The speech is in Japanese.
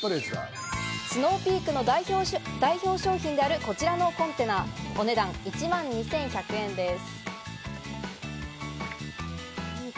スノーピークの代表商品であるこちら、お値段１万２１００円です。